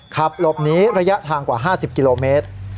ขับหลบหนีระยะทางกว่า๕๐กิโลเมตร